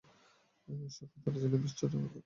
সংখ্যায় তাঁরা ছিলেন বিশজনের মত।